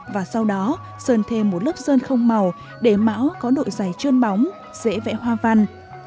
và sau đó sơn thêm một lớp sơn không màu để mão có độ dày trơn bóng dễ vẽ hoa văn